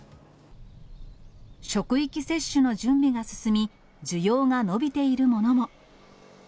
職域接種の準備が進み、需要が伸びているものも。